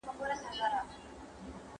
¬ ماهى چي هر وخت له اوبو راوکاږې، تازه وي.